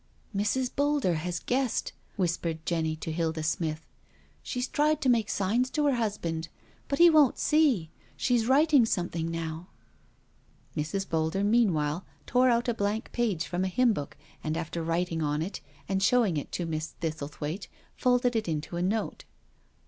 " Mrs. Boulder has guessed," whispered Jenny to Hilda Smith. " She's tried to make signs to her hus band, but he won't see — she's writing something now." Mrs. Boulder meanwhile tore out a blank page from a hymn book and after writing on it, and showing it to Miss Thistlethwaite, folded it into a note.